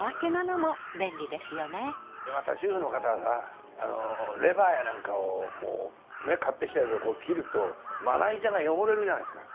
でまた主婦の方はさレバーやなんかを買ってきたやつを切るとまな板が汚れるじゃないですか。